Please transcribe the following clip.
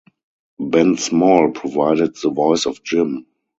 Ben Small provided the voice of Jim.